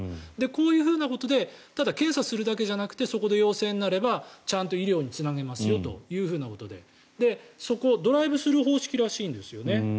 こういうふうなことでただ検査するだけじゃなくてそこで陽性になればちゃんと医療につなげますよというふうなことでドライブスルー方式らしいんです。